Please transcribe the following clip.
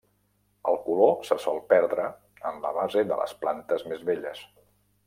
El color se sol perdre en la base de les plantes més velles.